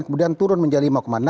kemudian turun menjadi lima enam